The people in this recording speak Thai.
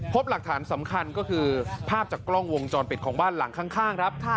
พบหลักฐานสำคัญก็คือภาพจากกล้องวงจรปิดของบ้านหลังข้างครับ